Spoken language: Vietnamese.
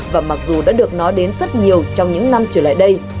và mặc dù đã được nói đến rất nhiều trong những năm trở lại đây